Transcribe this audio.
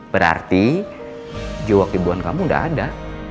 berarti jiwa kibuhan kamu udah ada